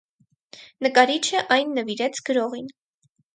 Նկարիչը այն նվիրեց գրողին։